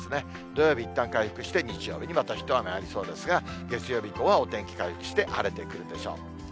土曜日いったん回復して日曜日にまた一雨ありそうですが、月曜日以降はお天気回復して、晴れてくるでしょう。